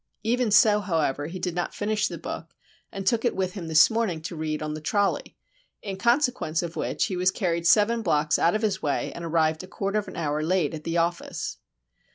Even so, however, he did not finish the book, and took it with him this morning to read on the trolley;—in consequence of which he was carried seven blocks out of his way, and arrived a quarter of an hour late at the office!